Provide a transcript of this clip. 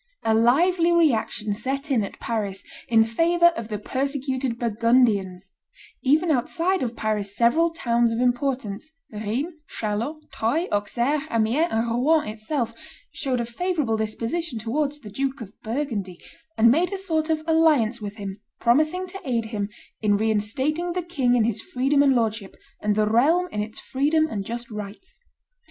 A lively reaction set in at Paris in favor of the persecuted Burgundians; even outside of Paris several towns of importance, Rheims, Chalons, Troyes, Auxerre, Amiens, and Rouen itself, showed a favorable disposition towards the Duke of Burgundy, and made a sort of alliance with him, promising to aid him "in reinstating the king in his freedom and lordship, and the realm in its freedom and just rights."